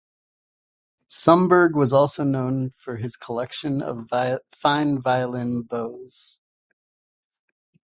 Sumberg was also known for his collection of fine violin bows.